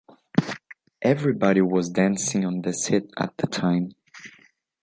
Everybody was dancing on this hit at the time.